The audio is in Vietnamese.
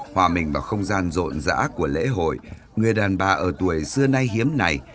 hòa mình vào không gian rộn rã của lễ hội người đàn bà ở tuổi xưa nay hiếm này